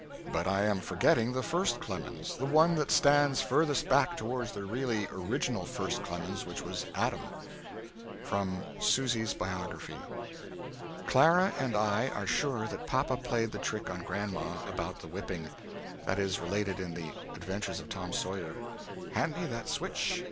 But I am forgetting the first Clemens the one that stands furthest back toward the really original first Clemens, which was Adam. From Susy's Biography. Clara and I are sure that papa played the trick on Grandma, about the whipping, that is related in "The Adventures of Tom Sayer": "Hand me that switch."